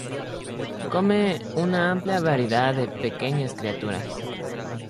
Come una amplia variedad de pequeñas criaturas.